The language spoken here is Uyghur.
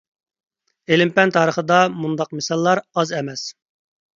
ئىلىم-پەن تارىخىدا مۇنداق مىساللار ئاز ئەمەس.